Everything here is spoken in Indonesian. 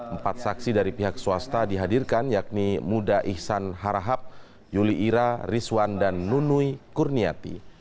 empat saksi dari pihak swasta dihadirkan yakni muda ihsan harahap yuli ira rizwan dan nunui kurniati